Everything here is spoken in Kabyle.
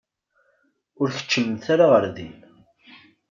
Ur keččmemt ara ɣer din.